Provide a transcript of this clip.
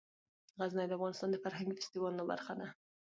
غزني د افغانستان د فرهنګي فستیوالونو برخه ده.